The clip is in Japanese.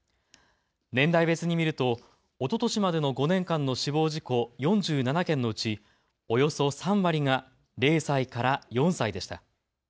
年代別に見ると、おととしまでの５年間の死亡事故４７件のうちおよそ３割が０歳から４歳でした。